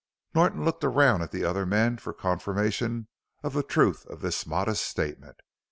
Norton looked around at the other men for confirmation of the truth of this modest statement.